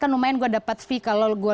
kan lumayan gue dapat fee kalau gue